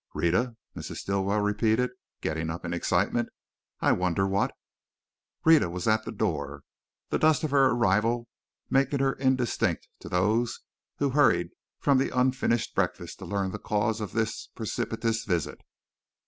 "Rhetta?" Mrs. Stilwell repeated, getting up in excitement. "I wonder what " Rhetta was at the door, the dust of her arrival making her indistinct to those who hurried from the unfinished breakfast to learn the cause of this precipitous visit.